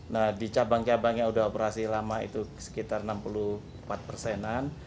nah di cabang cabang yang sudah operasi lama itu sekitar enam puluh empat persenan